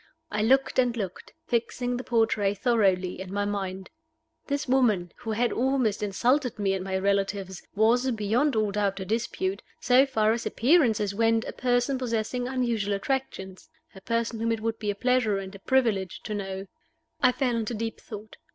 I looked and looked, fixing the portrait thoroughly in my mind. This woman, who had almost insulted me and my relatives, was, beyond all doubt or dispute, so far as appearances went, a person possessing unusual attractions a person whom it would be a pleasure and a privilege to know. I fell into deep thought.